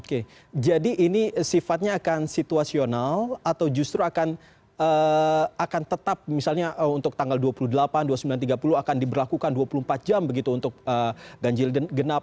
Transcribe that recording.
oke jadi ini sifatnya akan situasional atau justru akan tetap misalnya untuk tanggal dua puluh delapan dua puluh sembilan tiga puluh akan diberlakukan dua puluh empat jam begitu untuk ganjil genap